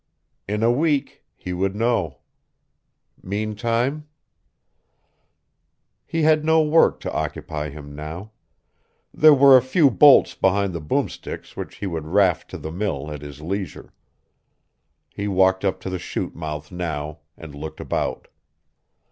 In a week he would know. Meantime He had no work to occupy him now. There were a few bolts behind the boom sticks which he would raft to the mill at his leisure. He walked up to the chute mouth now and looked about.